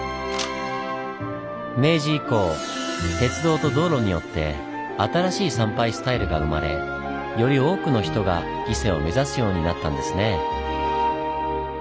明治以降鉄道と道路によって新しい参拝スタイルが生まれより多くの人が伊勢を目指すようになったんですね。